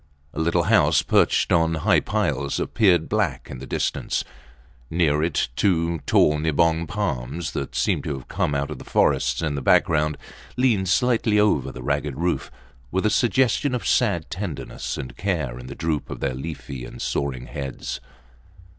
A little house, perched on high piles, appeared black in the distance. Near it, two tall nibong palms, that seemed to have come out of the forests in the background, leaned slightly over the ragged roof, with a suggestion of sad tenderness and care in the droop of their leafy and soaring heads.